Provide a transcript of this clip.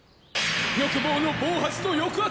欲望の暴発と抑圧。